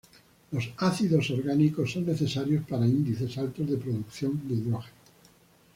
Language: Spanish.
Los ácidos orgánicos son necesarios para índices altos de producción de hidrógeno.